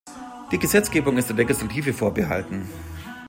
Die Gesetzgebung ist der Legislative vorbehalten.